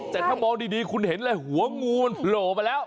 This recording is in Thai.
แต่มองดีคุณเห็นเลยหัวกูลบไปแล้ว